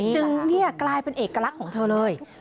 จึงนี่กลายเป็นเอกลักษณ์ของเธอเลย